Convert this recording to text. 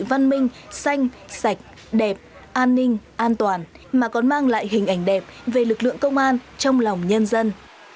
văn minh xanh sạch đẹp an ninh an toàn mà còn mang lại hình ảnh đẹp về lực lượng công an trong lòng nhân dân